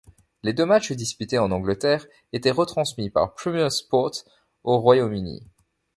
Les deux matchs disputés en Angleterre étaient retransmis par Premier Sport au Royaume-Uni.